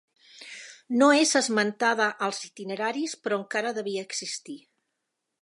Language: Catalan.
No és esmentada als Itineraris però encara devia existir.